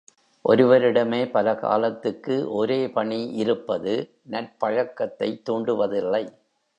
ஒருவரிடமே பல காலத்துக்கு ஒரே பணி இருப்பது நற்பழக்கத்தைத் தூண்டுவதில்லை.